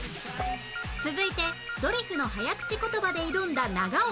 続いて『ドリフの早口ことば』で挑んだ長尾